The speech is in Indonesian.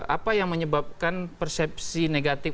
apa yang menyebabkan persepsi negatif